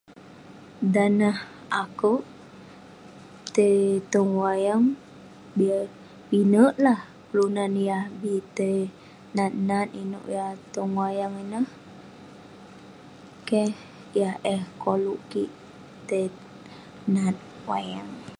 Dan neh akouk, tai tong wayang, pinek lah kelunan yah bi tai nat nat inouk yah tong wayang ineh, keh yah eh koluk kik tai nat wayang..